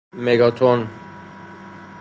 مگاتن